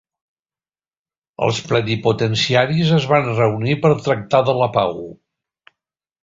Els plenipotenciaris es van reunir per tractar de la pau.